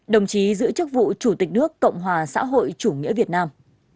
đồng chí giữ chức vụ chủ tịch nước cộng hòa xã hội chủ nghĩa việt nam